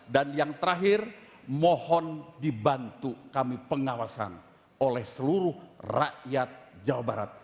dan yang terakhir mohon dibantu kami pengawasan oleh seluruh rakyat jawa barat